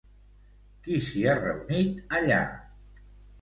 Qui s'hi ha reunit, allà?